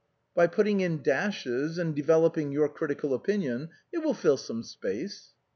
" By putting in dashes and developing your critical opinion it will fill some space."